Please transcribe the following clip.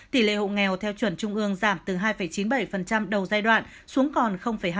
tỷ lệ hộ nghèo theo chuẩn trung ương giảm từ hai chín mươi bảy đầu giai đoạn xuống còn hai